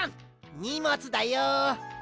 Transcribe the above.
にもつだよ。